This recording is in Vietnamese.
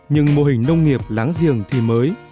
nhưng mô hình nông nghiệp láng giềng thì mới